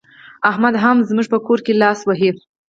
احمد هم زموږ په کار کې لاس وهي.